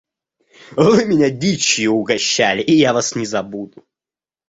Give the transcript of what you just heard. Вы меня дичью угощали, и я вас не забуду.